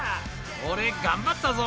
俺、頑張ったぞ！